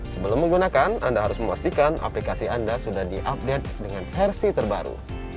sebelum menggunakan anda harus memastikan aplikasi anda sudah diupdate dengan versi terbaru